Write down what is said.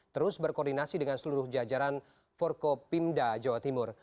terus berkoordinasi dengan seluruh jajaran forkopimda jawa timur